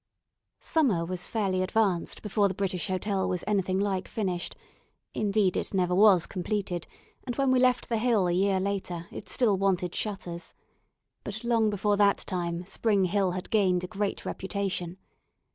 Summer was fairly advanced before the British Hotel was anything like finished; indeed, it never was completed, and when we left the Hill, a year later, it still wanted shutters. But long before that time Spring Hill had gained a great reputation.